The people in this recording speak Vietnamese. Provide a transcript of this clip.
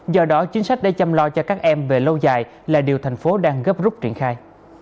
do đó chính sách để chăm lo cho các em về lâu dài là điều thành phố đang gấp rút triển khai